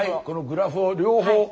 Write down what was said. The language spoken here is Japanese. このグラフを両方。